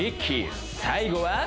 最後は？